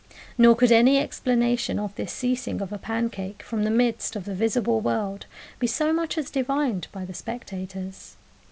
Nor could any explanation of this ceasing of a pancake from the midst of the visible world be so much as divined by the spectators.